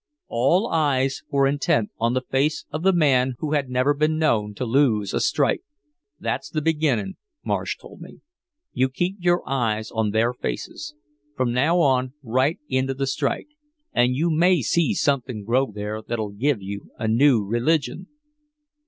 All eyes were intent on the face of the man who had never been known to lose a strike. "That's the beginning," Marsh told me. "You keep your eyes on their faces from now on right into the strike and you may see something grow there that'll give you a new religion."